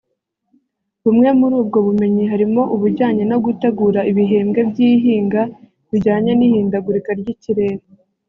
Bumwe muri ubwo bumenyi harimo ubujyanye no gutegura ibihembwe by’ihinga bijyanye n’ihindagurika ry’ikirere